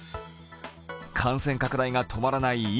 感染拡大が止まらない